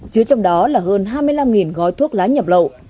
chứa trong đó là hơn hai mươi năm gói thuốc lá nhập lậu